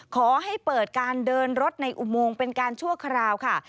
ขอให้เปิดการเดินรถในอุโมงเป็นการชั่วคราวค่ะ